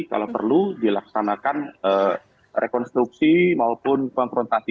kalau perlu dilaksanakan rekonstruksi maupun konfrontasi